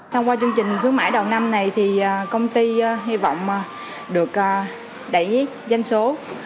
thông qua chương trình khuyến mãi đầu năm này công ty hy vọng được đẩy danh số